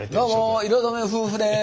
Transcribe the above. どうも色染め夫婦です！